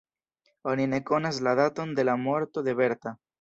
Oni ne konas la daton de la morto de Berta.